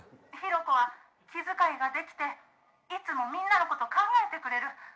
「ヒロコは気遣いができていつもみんなの事を考えてくれる」